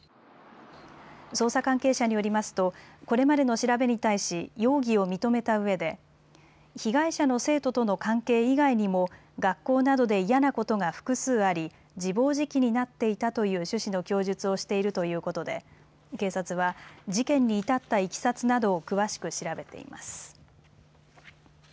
捜査関係者によりますとこれまでの調べに対し容疑を認めたうえで被害者の生徒との関係以外にも学校などで嫌なことが複数あり自暴自棄になっていたという趣旨の供述をしているということで警察は事件に至ったいきさつなどを詳しく調べています。